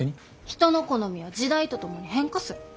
人の好みは時代と共に変化する。